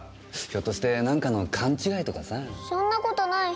ひょっとして何かの勘違いとかさ。そんな事ない。